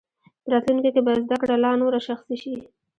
په راتلونکي کې به زده کړه لا نوره شخصي شي.